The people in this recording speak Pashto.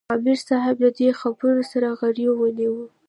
" امیر صېب د دې خبرو سره غرېو ونیوۀ ـ